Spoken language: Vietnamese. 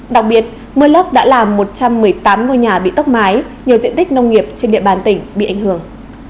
đặc biệt mưa lốc đã làm một trăm một mươi tám ngôi nhà bị tốc mái nhiều diện tích nông nghiệp trên địa bàn tỉnh bị ảnh hưởng